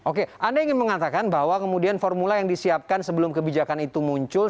oke anda ingin mengatakan bahwa kemudian formula yang disiapkan sebelum kebijakan itu muncul